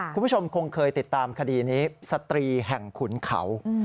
คุณผู้ชมคงเคยติดตามคดีนี้สตรีแห่งขุนเขา